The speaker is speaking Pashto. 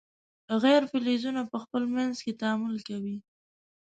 غیر فلزونه په خپل منځ کې تعامل کوي.